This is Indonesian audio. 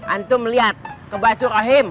antum liat ke baitur rahim